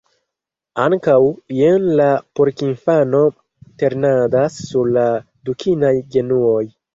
Ankaŭ, jen la porkinfano ternadas sur la dukinaj genuoj.